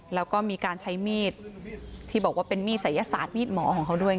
แล้วก็มีการใช้มีดที่บอกว่าเป็นมีดศัยศาสตร์มีดหมอของเขาด้วย